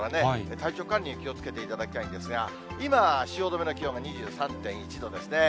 体調管理に気をつけていただきたいんですが、今、汐留の気温が２３．１度ですね。